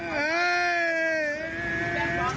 ไว้ไปกับขี่มาได้ไงวะแบบเนี้ย